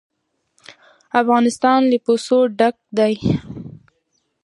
افغانستان له پسه ډک دی.